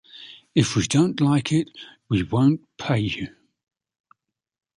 If we don't like it, we won't pay you.